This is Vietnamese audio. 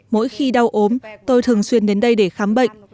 mỗi khi đau ốm tôi thường xuyên đến đây để khám bệnh